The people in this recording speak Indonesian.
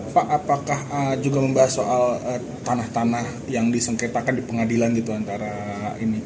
pak apakah juga membahas soal tanah tanah yang disengketakan di pengadilan gitu antara ini